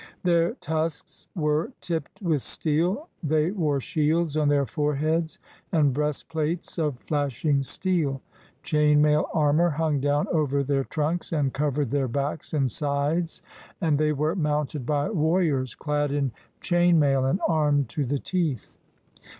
Their tusks were tipped with steel; they wore shields on their foreheads, and breastplates of flashing steel; chain mail armor hung down over their trunks and covered their backs and sides; and they were mounted by warriors clad in chain mail, and armed to the teeth.